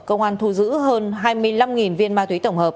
công an thu giữ hơn hai mươi năm viên ma túy tổng hợp